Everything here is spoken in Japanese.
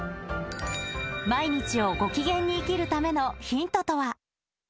毎日をご機嫌に生きるためのヒントとは。